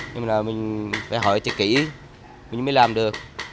nhưng mà mình phải hỏi thật kỹ mình mới làm được